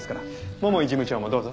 桃井事務長もどうぞ。